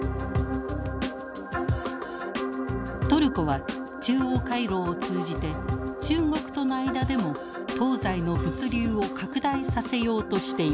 トルコは中央回廊を通じて中国との間でも東西の物流を拡大させようとしています。